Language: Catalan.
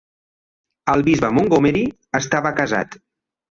El Bisbe Montgomery estava casat.